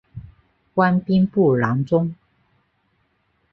官兵部郎中。